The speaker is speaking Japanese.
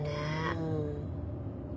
うん。